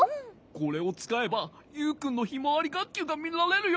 これをつかえばユウくんのひまわりがっきゅうがみられるよ。